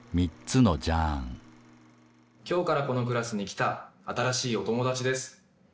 今日からこのクラスに来た新しいお友達です。